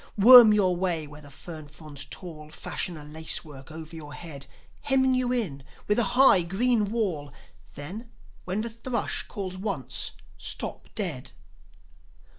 Worm your way where the fern fronds tall Fashion a lace work over your head, Hemming you in with a high, green wall; Then, when the thrush calls once, stop dead.